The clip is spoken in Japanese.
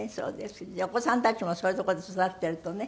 じゃあお子さんたちもそういう所で育っているとね。